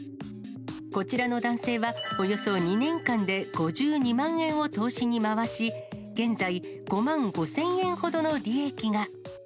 こちらの男性は、およそ２年間で５２万円を投資に回し、現在、５万５０００円ほどの利益が。